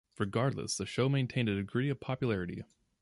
Regardless, the show maintained a degree of popularity.